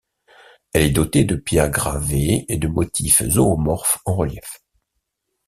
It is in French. Elle est dotée de pierres gravée et de motifs zoomorphes en relief.